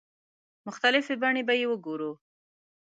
مختلفې بڼې به یې وګورو.